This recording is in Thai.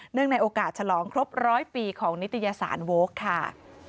เนื่องในโอกาสฉลองครบ๑๐๐ปีของนิตยสารโว๊คค่ะ